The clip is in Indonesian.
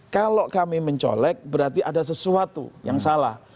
kalau kami mencolek berarti ada sesuatu yang salah